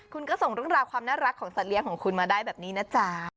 คุณก็ส่งเรื่องราวความน่ารักของสัตว์เลี้ยงของคุณมาได้แบบนี้นะจ๊ะ